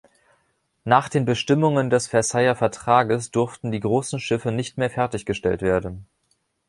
Nach den Bestimmungen des Versailler Vertrages durften die großen Schiffe nicht mehr fertiggestellt werden.